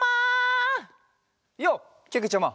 ようけけちゃま！